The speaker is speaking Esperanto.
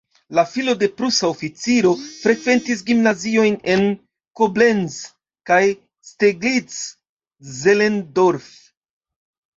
La filo de prusa oficiro frekventis gimnaziojn en Koblenz kaj Steglitz-Zehlendorf.